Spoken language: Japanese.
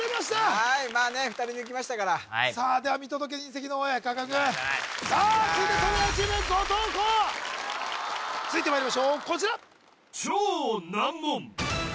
はいまあね２人抜きましたからさあでは見届け人席の方へ川上君さあ続いて東大王チーム後藤弘続いてまいりましょうこちら